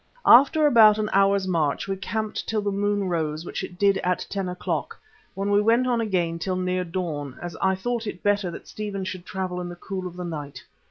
After about an hour's march we camped till the moon rose which it did at ten o'clock, when we went on again till near dawn, as it was thought better that Stephen should travel in the cool of the night.